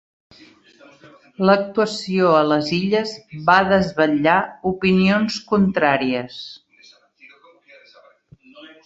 L'actuació a les illes va desvetllar opinions contràries.